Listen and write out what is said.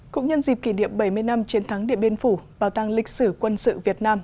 cũng nhân dịp kỷ niệm bảy mươi năm chiến thắng điện biên phủ bảo tàng lịch sử quân sự việt nam